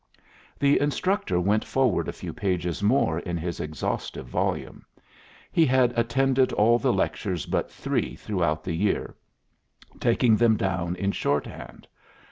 The instructor went forward a few pages more in his exhaustive volume. He had attended all the lectures but three throughout the year, taking them down in short hand.